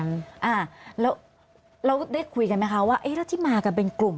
อ่าแล้วได้คุยกันไหมคะว่าเอ๊ะแล้วที่มากันเป็นกลุ่ม